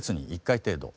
１回程度。